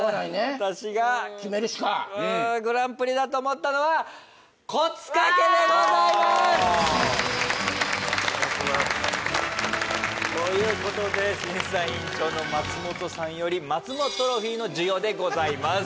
私がグランプリだと思ったのは決めるしかコツカケでございますということで審査員長の松本さんよりまつもトロフィーの授与でございます